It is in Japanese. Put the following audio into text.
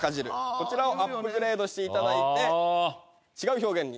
こちらをアップグレードしていただいて違う表現に。